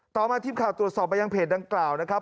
ต่อมาทีมข่าวตรวจสอบไปยังเพจดังกล่าวนะครับ